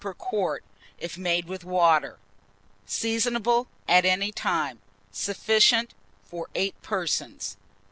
per quart, if made with water. Seasonable at any time. Sufficient for 8 persons.